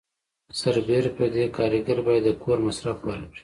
سربیره پر دې کارګر باید د کور مصرف ورکړي.